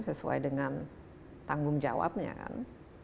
sesuai dengan tanggung jawabnya kan